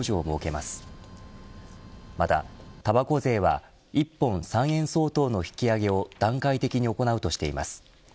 また、たばこ税は一本３円相当の引き上げを段階的に行うとしています。